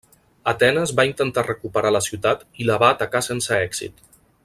Atenes va intentar recuperar la ciutat i la va atacar sense èxit.